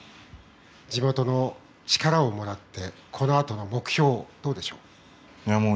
地元の力をもらってこのあとの目標どうでしょう。